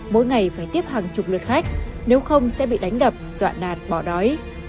mỗi ngày phải tiếp hàng chục lượt khách nếu không sẽ bị đánh đập dọa nạt bỏ đói